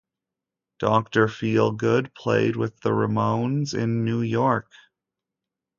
Doctor Feelgood played with the Ramones in New York.